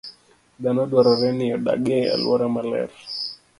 Dhano dwarore ni odag e alwora maler.